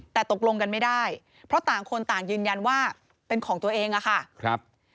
แต่ตกลงกันไม่ได้เพราะต่างคนต่างยืนยันว่าเป็นของตัวเองอะค่ะครับ